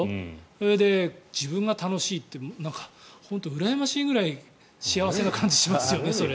それで自分が楽しいって本当にうらやましいぐらい幸せな感じがしますよね。